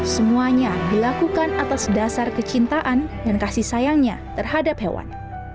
semuanya dilakukan atas dasar kecintaan dan kasih sayangnya terhadap hewan